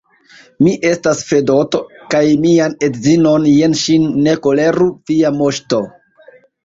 Mi estas Fedoto, kaj mian edzinon, jen ŝin, ne koleru, via moŝto!